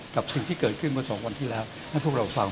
กับสิ่งที่เกิดขึ้นเมื่อสองวันที่แล้วให้พวกเราฟัง